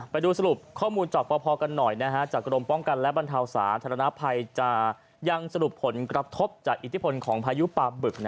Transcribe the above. ไปดูสรุปข้อมูลจากประพอกันหน่อยจากกรมป้องกันและบรรเทาสาธารณภัยจะยังสรุปผลกระทบจากอิทธิพลของพายุปลาบึก